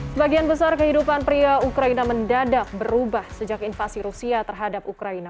sebagian besar kehidupan pria ukraina mendadak berubah sejak invasi rusia terhadap ukraina